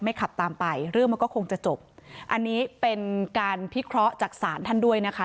ขับตามไปเรื่องมันก็คงจะจบอันนี้เป็นการพิเคราะห์จากศาลท่านด้วยนะคะ